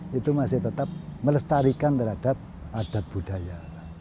kita masih tetap melestarikan terhadap adat budaya